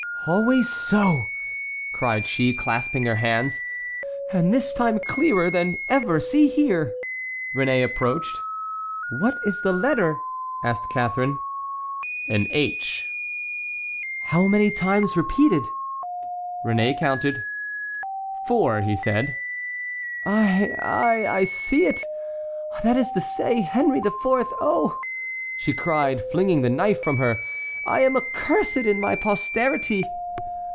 "Always so!" cried she, clasping her hands; "and this time clearer than ever; see here!" Réné approached. "What is the letter?" asked Catharine. "An H," replied Réné. "How many times repeated?" Réné counted. "Four," said he. "Ay, ay! I see it! that is to say, Henry IV. Oh," she cried, flinging the knife from her, "I am accursed in my posterity!"